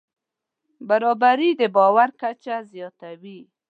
برابري د باور کچه زیاتوي.